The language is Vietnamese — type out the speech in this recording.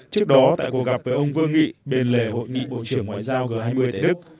trước đó tại cuộc gặp với ông vương nghị bên lề hội nghị bộ trưởng ngoại giao g hai mươi tại đức